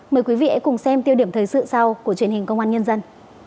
mời quý vị hãy cùng xem tiêu điểm thời sự sau của truyền hình công an nhân dân